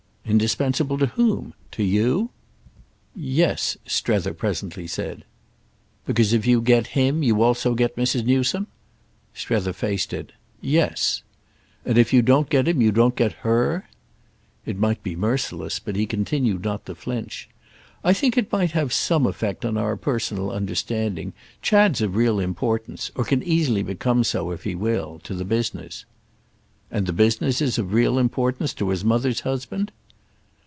"Indispensable to whom? To you?" "Yes," Strether presently said. "Because if you get him you also get Mrs. Newsome?" Strether faced it. "Yes." "And if you don't get him you don't get her?" It might be merciless, but he continued not to flinch. "I think it might have some effect on our personal understanding. Chad's of real importance—or can easily become so if he will—to the business." "And the business is of real importance to his mother's husband?"